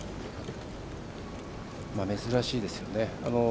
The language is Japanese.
珍しいですよね。